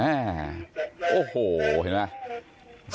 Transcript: โอ้โหเห็นไหม